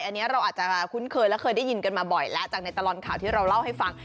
อันนี้เราอาจจะคุ้นเคยและเคยได้ยินกันมาบ่อยแล้วจากในตลอดข่าวที่เราเล่าให้ฟัง